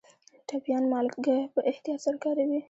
ټبیايان مالګه په احتیاط سره کاروي.